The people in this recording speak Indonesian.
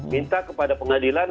minta kepada pengadilan